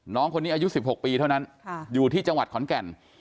น้องคนนี้อายุ๑๖ปีเท่านั้นอยู่ที่จังหวัดขอนแก่น